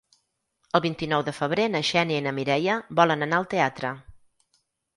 El vint-i-nou de febrer na Xènia i na Mireia volen anar al teatre.